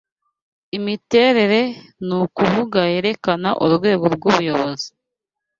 Imiterere nukuvuga yerekana urwego rwubuyobozi